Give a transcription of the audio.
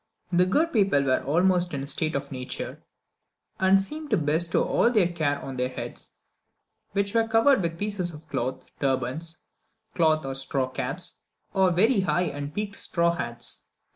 The good people were almost in a state of nature, and seemed to bestow all their care on their heads, which were covered with pieces of cloth, turbans, cloth or straw caps, or very high and peaked straw hats.